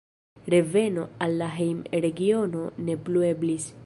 Reveno al la hejm-regiono ne plu eblis.